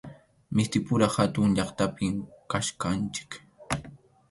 Mistipura hatun llaqtapim kachkanchik.